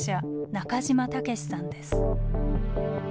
中島岳志さんです。